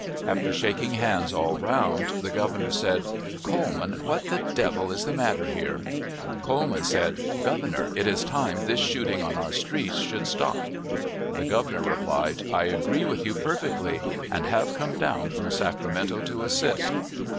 After shaking hands all round, the Governor said, "Coleman, what the devil is the matter here?" Coleman said, "Governor, it is time this shooting on our streets should stop." The Governor replied, "I agree with you perfectly, and have come down, from Sacramento to assist."